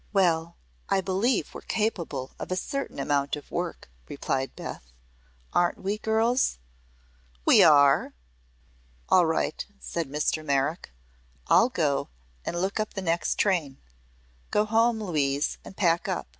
"Well, I believe we're capable of a certain amount of work," replied Beth. "Aren't we, girls?" "We are!" "All right," said Mr. Merrick. "I'll go and look up the next train. Go home, Louise, and pack up.